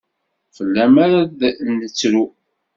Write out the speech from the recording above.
Fell-am ar d ad nettru.